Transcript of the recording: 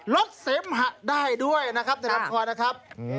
ลดเสมหัวได้ด้วยไปรถครอยนะครับ